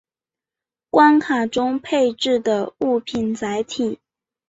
关卡中配置的物品载体。